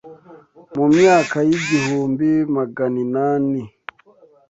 mu myaka y’igihumbi maganinani